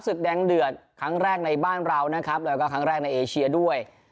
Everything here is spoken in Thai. ศึกแดงเดือดครั้งแรกในบ้านเรานะครับแล้วก็ครั้งแรกในเอเชียด้วย